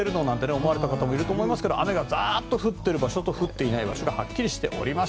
思われた方いると思いますけれど雨がザッと降っている場所と降っていない場所がはっきりしております。